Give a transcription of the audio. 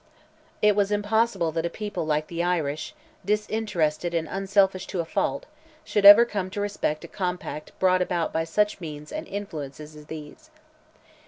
It was impossible that a people like the Irish, disinterested and unselfish to a fault, should ever come to respect a compact brought about by such means and influences as these.